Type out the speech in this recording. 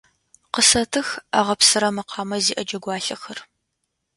Къысэтых агъэпсырэ мэкъамэ зиӏэ джэгуалъэхэр.